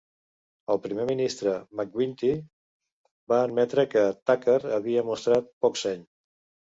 El primer ministre McGuinty va admetre que Takhar havia mostrat poc seny.